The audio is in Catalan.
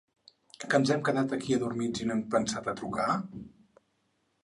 Que ens hem quedat aquí adormits i no hem pensat a trucar?